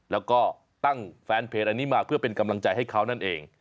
แล้วก็ตั้งแฟนเพจอันนี้มาเพื่อเป็นกำลังใจให้เขานั่นเอง